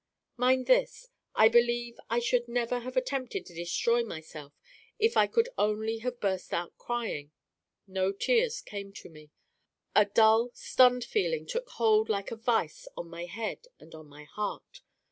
"Mind this: I believe I should never have attempted to destroy myself if I could only have burst out crying. No tears came to me. A dull, stunned feeling took hold like a vise on my head and on my heart.